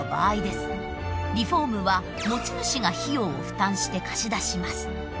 リフォームは持ち主が費用を負担して貸し出します。